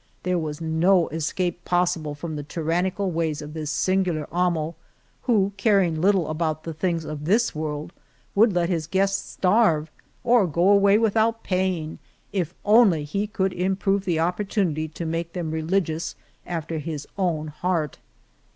There was no escape possible from the tyran nical ways of this singular amo, who, caring little about the things of this world, would let his guests starve or go away without paying if only he could improve the oppor tunity to make them religious after his own heart.